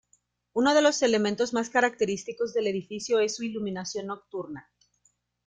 Uno de los elementos más característicos del edificio es su iluminación nocturna.